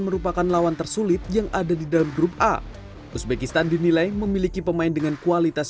merupakan lawan tersulit yang ada di dalam grup a uzbekistan dinilai memiliki pemain dengan kualitas